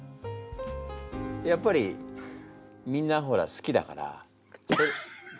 やっぱりみんなほら好きだから。